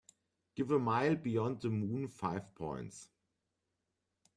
Give A Mile Beyond the Moon five points